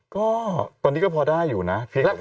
ก็ตอนนี้ก็พอได้อยู่นะ